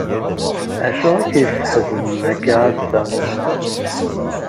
Acu i k-yesḥeznen akka assa?